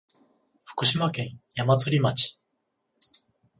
福島県矢祭町